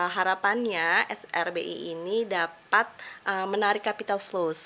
harapannya srbi ini dapat menarik capital flows